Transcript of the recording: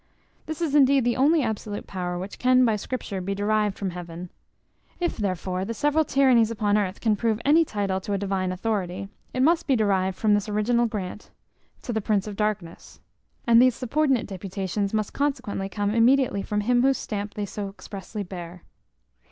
This is indeed the only absolute power which can by Scripture be derived from heaven. If, therefore, the several tyrannies upon earth can prove any title to a Divine authority, it must be derived from this original grant to the prince of darkness; and these subordinate deputations must consequently come immediately from him whose stamp they so expressly bear.